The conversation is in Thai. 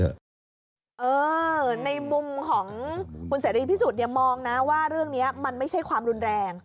ในมุมของคุณเสรีพิสุทธิ์เนี่ยมองนะว่าเรื่องนี้มันไม่ใช่ความรุนแรง